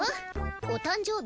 お誕生日